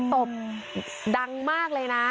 ตบดังมากเลยนะ